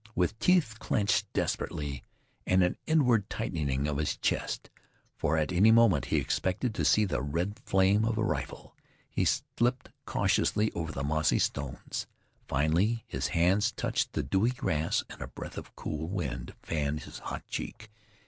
With teeth clenched desperately, and an inward tightening of his chest, for at any moment he expected to see the red flame of a rifle, he slipped cautiously over the mossy stones. Finally his hands touched the dewy grass, and a breath of cool wind fanned his hot cheek.